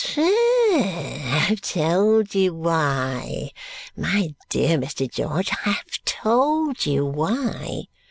"Sir, I have told you why. My dear Mr. George, I have told you why."